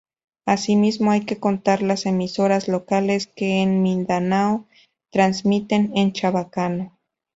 Asimismo, hay que contar las emisoras locales que en Mindanao transmiten en chabacano.